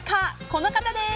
この方です。